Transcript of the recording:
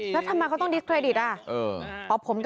แล้วทำไมเค้าก็ถึงคีย์มาร้องจับ